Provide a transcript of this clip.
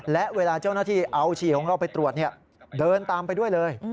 และเวลาเจ้าหน้าที่เอาฉี่ของเราไปตรวจเดินตามไปด้วยเลย